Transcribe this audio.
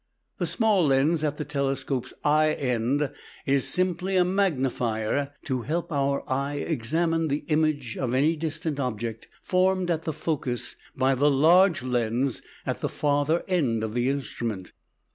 The small lens at the telescope's eye end is simply a magnifier to help our eye examine the image of any distant object formed at the focus by the large lens at the farther end of the instrument.